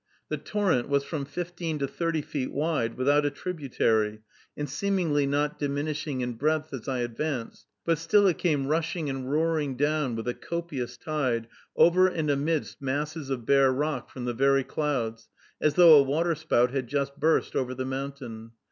The torrent was from fifteen to thirty feet wide, without a tributary, and seemingly not diminishing in breadth as I advanced; but still it came rushing and roaring down, with a copious tide, over and amidst masses of bare rock, from the very clouds, as though a waterspout had just burst over the mountain.